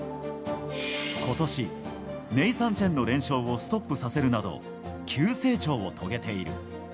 今年、ネイサン・チェンの連勝をストップさせるなど急成長を遂げている。